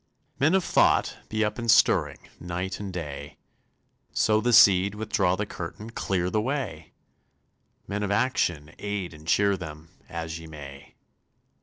Men of thought! be up and stirring, Night and day; Sow the seed, withdraw the curtain, Clear the way! Men of action, aid and cheer them, As ye may!